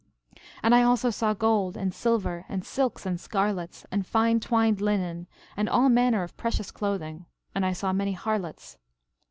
13:7 And I also saw gold, and silver, and silks, and scarlets, and fine twined linen, and all manner of precious clothing; and I saw many harlots.